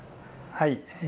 はい。